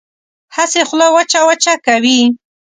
هسې خوله وچه وچه کوي.